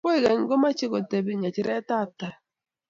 Koikeny ko machei ko tepe ngecheret ab tai